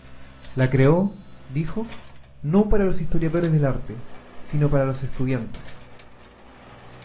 La creó, dijo, no para los historiadores del arte, sino para los estudiantes.